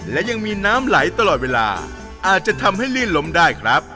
และยังมีน้ำไหลตลอดเวลาอาจจะทำให้ลื่นล้มได้ครับ